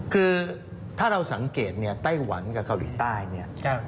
คือถ้าเราสังเกตเนี่ยไต้หวันกับเกาหลีใต้เนี่ย